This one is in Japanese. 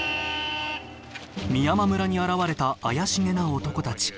美山村に現れた怪しげな男たち。